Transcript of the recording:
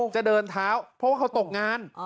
จะเดินเท้าเพราะว่าเขาตกงาน